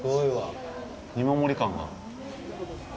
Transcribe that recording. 見守り感が。